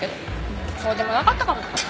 うんそうでもなかったかも。